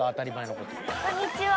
こんにちは。